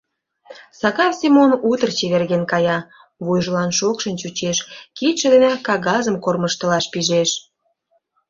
Сакар Семон утыр чеверген кая, вуйжылан шокшын чучеш, кидше дене кагазым кормыжтылаш пижеш.